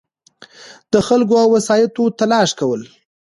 دخلګو او وسایطو تلاښي کول